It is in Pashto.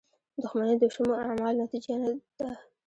• دښمني د شومو اعمالو نتیجه ده.